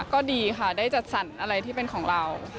ก็ดีค่ะได้จัดสรรอะไรที่เป็นของเรา